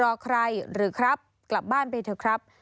ใครหรือครับกลับบ้านไปเถอะครับ